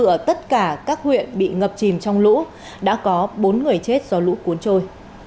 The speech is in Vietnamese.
ở tất cả các huyện bị ngập chìm trong lũ đã có bốn người chết do lũ cuốn trôi